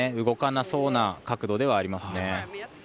動かなそうな角度ではありますね。